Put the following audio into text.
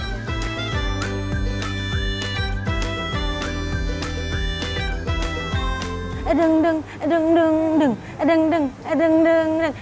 adeng adeng adeng adeng adeng adeng adeng adeng adeng adeng adeng adeng adeng adeng adeng adeng adeng